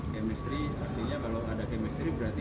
kemestri artinya kalau ada kemestri berarti